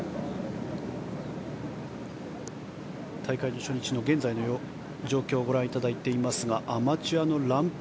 大会初日の現在の状況をご覧いただいていますがアマチュアのランプ